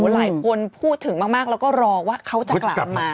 หลายคนพูดถึงมากแล้วก็รอว่าเขาจะกลับมา